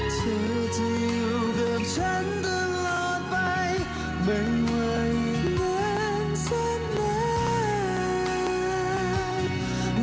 เธอจะอยู่กับฉันตลอดไปเป็นไว้อยู่นานสักน้